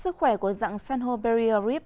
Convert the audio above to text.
sức khỏe của dạng san hô barrier reef